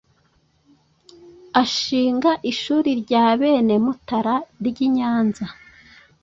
ashinga Ishuri ry’Abenemutara ry’inyanza